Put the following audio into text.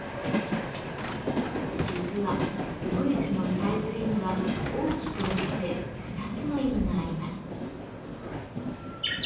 実はうぐいすのさえずりには大きく分けて２つの意味があります。